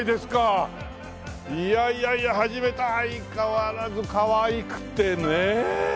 いやいやいや初めて相変わらずかわいくてねえ。